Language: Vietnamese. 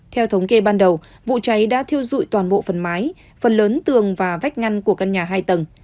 theo thống kê ban đầu vụ cháy đã thiêu dụi toàn bộ phần mái phần lớn tường và vách ngăn của căn nhà hai tầng